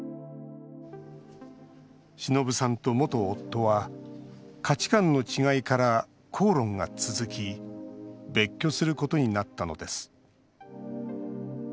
忍さんと元夫は価値観の違いから口論が続き別居することになったのです。